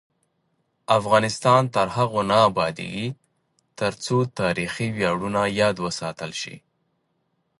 افغانستان تر هغو نه ابادیږي، ترڅو تاریخي ویاړونه یاد وساتل شي.